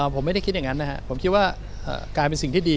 ผมไม่ได้คิดอย่างนั้นนะครับผมคิดว่ากลายเป็นสิ่งที่ดี